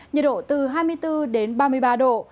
nhiệt độ từ hai mươi bốn đến ba mươi ba độ